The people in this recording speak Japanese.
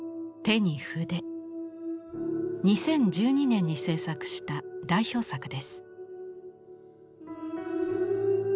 ２０１２年に制作した代表作です。